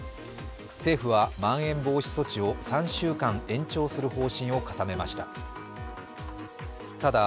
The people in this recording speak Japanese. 政府はまん延防止措置を３週間延長する方針を固めました。